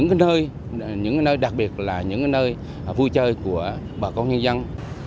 những nơi đặc biệt là những nơi vui chơi của bà con nhân dân